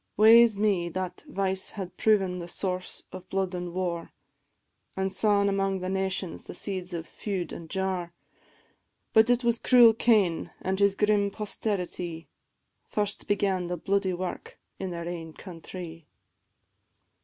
Wae 's me, that vice had proven the source of blood an' war, An' sawn amang the nations the seeds of feud an' jar: But it was cruel Cain, an' his grim posterity, First began the bloody wark in their ain countrie.